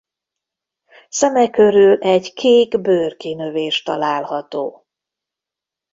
Szeme körül egy kék bőr kinövés található.